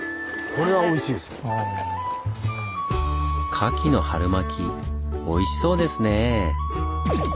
カキの春巻おいしそうですねぇ。